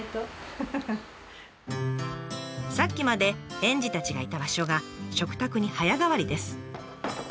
さっきまで園児たちがいた場所が食卓に早変わりです。